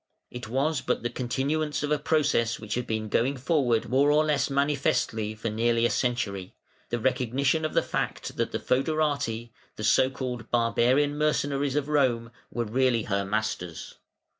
It was but the continuance of a process which had been going forward more or less manifestly for nearly a century, the recognition of the fact that the fœderati, the so called barbarian mercenaries of Rome, were really her masters.